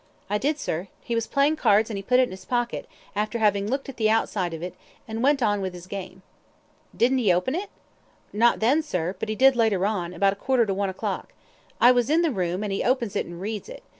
"I did, sir. He was playing cards, and he put it in his pocket, after having looked at the outside of it, and went on with his game." "Didn't he open it?" "Not then, sir; but he did later on, about a quarter to one o'clock. I was in the room, and he opens it and reads it.